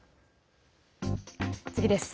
次です。